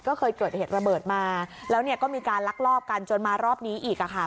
ก็เคยเกิดเหตุระเบิดมาแล้วเนี่ยก็มีการลักลอบกันจนมารอบนี้อีกค่ะ